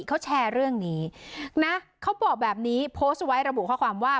เขาแชร์เรื่องนี้นะเขาบอกแบบนี้โพสต์ไว้ระบุข้อความว่า